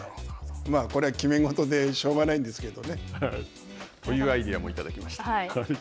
これは決め事でしょうがないんですけどね。というアイデアもいただきました。